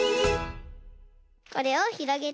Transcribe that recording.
これをひろげて。